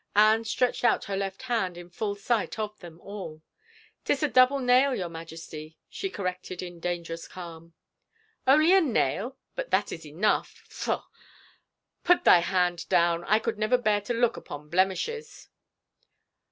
Anne stretched out her left hand in full sight of them all. " 'Tis a double nail, your Majesty," she corrected in dangerous calm. " Only a nail ? But that is enough ! Faugh I Put thy hand down — I could never bear to look upon blemishes."